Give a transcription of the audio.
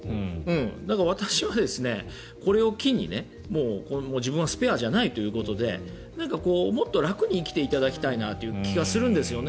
だから私はこれを機に自分はスペアじゃないということでもっと楽に生きていただきたいなという気はするんですよね。